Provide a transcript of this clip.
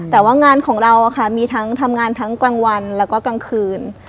แต่ว่างานของเรามีทั้งทำงานทั้งกลางวันแล้วก็กลางคืน